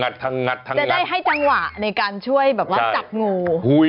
จะได้ให้จังหวะในการช่วยแบบว่าจับงู